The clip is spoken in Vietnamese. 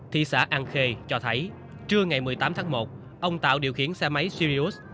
thị xã an khê cho thấy trưa ngày một mươi tám tháng một ông tạo điều khiển xe máy sirius